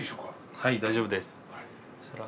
はい大丈夫です。